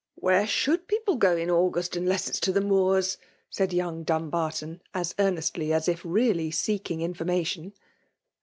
" Where should people go in August, unless to the Moors?'' said young Dumbarton, as earnestly as if really seeking information.